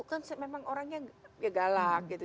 kan memang orangnya ya galak gitu